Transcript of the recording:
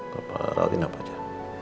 papa rawatin apa aja